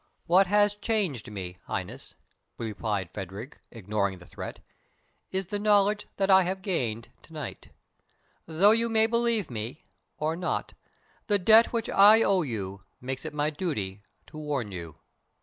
"What has changed me, Highness," replied Phadrig, ignoring the threat, "is the knowledge that I have gained to night. Though you believe me or not, the debt which I owe you makes it my duty to warn you.